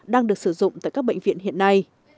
đang được sử dụng tại các bệnh viện hiện nay